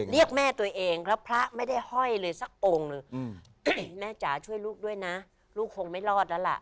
เรียกแม่ตัวเองแล้วพระไม่ได้ห้อยเลยสักองค์หนึ่งแม่จ๋าช่วยลูกด้วยนะลูกคงไม่รอดแล้วล่ะ